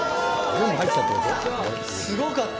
すごかった。